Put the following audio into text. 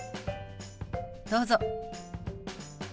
どうぞ。